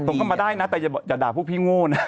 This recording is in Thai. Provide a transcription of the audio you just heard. เข้ามาได้นะแต่อย่าด่าพวกพี่โง่นะ